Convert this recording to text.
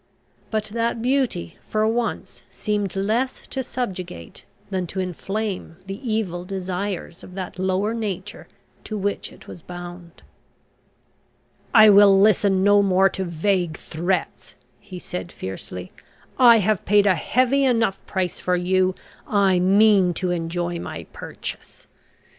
But that beauty, for once, seemed less to subjugate than to inflame the evil desires of that lower nature to which it was bound. "I will listen no more to vague threats," he said fiercely. "I have paid a heavy enough price for you. I mean to enjoy my purchase.